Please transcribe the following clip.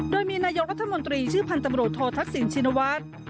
โดยมีนายกรัฐมนตรีชื่อพันธ์ตำรวจโทษทักษิณชินวัฒน์